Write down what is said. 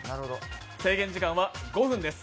制限時間は５分です。